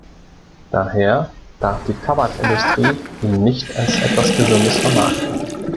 Daher darf die Tabakindustrie ihn nicht als etwas Gesundes vermarkten.